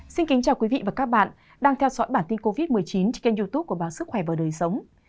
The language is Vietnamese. xin kính chào quý vị và các bạn đang theo dõi bản tin covid một mươi chín trên kênh youtube của báo sức khỏe và đời sống